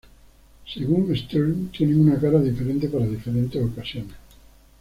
Según Stearn:Tienen una cara diferente para diferentes ocasiones.